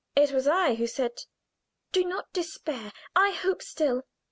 It was I who said: "Do not despair, I hope still."